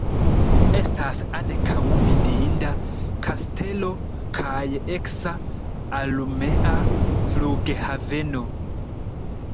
Estas ankaŭ vidinda kastelo kaj eksa armea flughaveno.